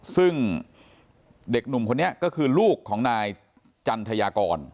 ซึ่งเด็กหนุ่มคนนี้ก็คือลูกของนายจันทยากร